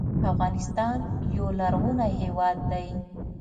افغانستان یو لرغونی هېواد دی